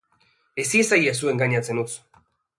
Ez iezaiezu engainatzen utz!